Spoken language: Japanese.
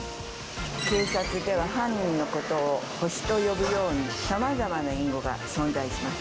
警察では犯人のことをホシと呼ぶように、さまざまな隠語が存在します。